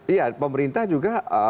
iya pemerintah juga